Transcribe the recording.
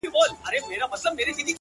• څه وکړمه لاس کي مي هيڅ څه نه وي؛